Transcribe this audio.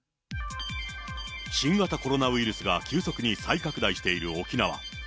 新型コロナウイルスが急速に再拡大している沖縄。